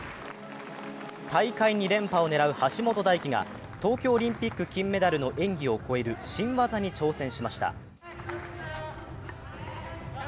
大会２連覇を狙う橋本大輝が東京オリンピック金メダルの演技を超える新技に挑戦しました。